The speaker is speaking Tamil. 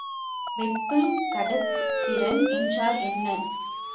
வெப்பங் கடத்துதிறன் என்றால் என்ன?